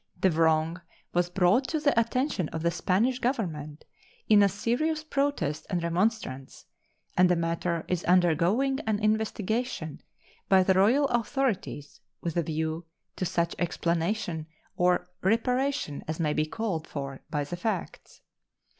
The wrong was brought to the attention of the Spanish Government in a serious protest and remonstrance, and the matter is undergoing investigation by the royal authorities with a view to such explanation or reparation as may be called for by the facts.